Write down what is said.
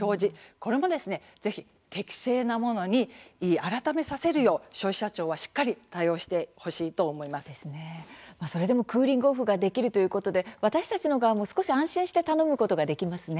これも、ぜひ適正なものに改めさせるよう消費者庁はしっかり対応してほしいとそれでもクーリング・オフできるということで私たちの側も少し安心して頼むことができますね。